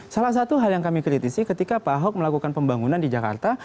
salah satu hal yang kami kritisi ketika pak ahok melakukan pembangunan di jakarta